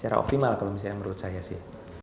itu memang optimal kalau menurut saya sih